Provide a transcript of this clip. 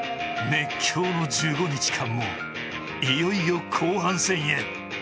熱狂の１５日間もいよいよ後半戦へ。